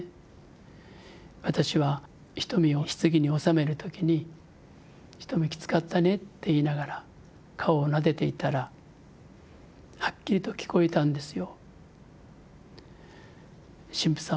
私はひとみを棺に納める時に「ひとみきつかったね」って言いながら顔をなでていたらはっきりと聞こえたんですよ。